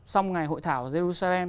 xong ngày hội thảo ở jerusalem